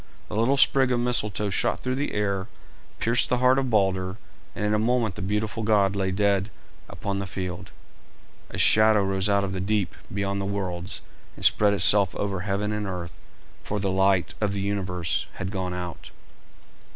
The little sprig of Mistletoe shot through the air, pierced the heart of Balder, and in a moment the beautiful god lay dead upon the field. A shadow rose out of the deep beyond the worlds and spread itself over heaven and earth, for the light of the universe had gone out.